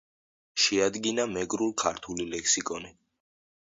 შეადგინა მეგრულ-ქართული ლექსიკონი.